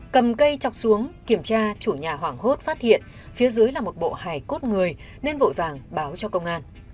cầm cây chọc xuống kiểm tra chủ nhà hoảng hốt phát hiện phía dưới là một bộ hải cốt người nên vội vàng báo cho công an